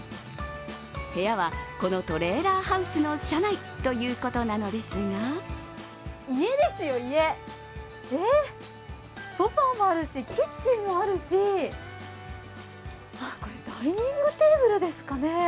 部屋はこのトレーラーハウスの車内ということなのですがソファーもあるしキッチンもあるしこれ、ダイニングテーブルですかね